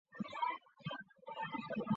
不料太宗突然暴毙。